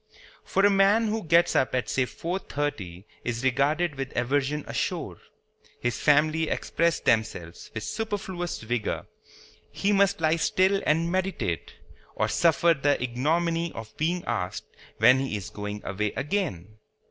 For a man who gets up at say four thirty is regarded with aversion ashore. His family express themselves with superfluous vigor. He must lie still and meditate, or suffer the ignominy of being asked when he is going away again.